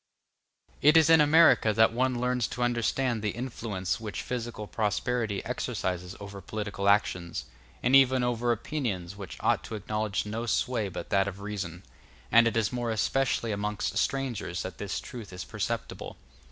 It is in America that one learns to understand the influence which physical prosperity exercises over political actions, and even over opinions which ought to acknowledge no sway but that of reason; and it is more especially amongst strangers that this truth is perceptible.